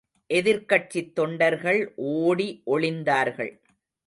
எதிர்க்கட்சித் தொண்டர்கள் ஓடி ஒளிந்தார்கள்.